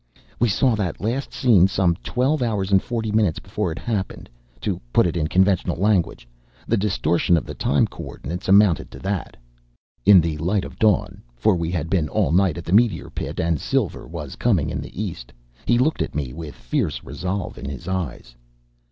"We saw that last scene some twelve hours and forty minutes before it happened to put it in conventional language. The distortion of the time coordinates amounted to that." In the light of dawn for we had been all night at the meteor pit, and silver was coming in the east he looked at me with fierce resolve in his eyes.